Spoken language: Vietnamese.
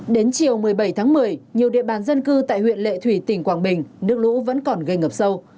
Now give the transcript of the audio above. đến chiều một mươi bảy tháng một mươi nhiều địa bàn dân cư tại huyện lệ thủy tỉnh quảng bình nước lũ vẫn còn gây ngập sâu